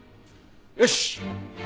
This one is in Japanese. よし！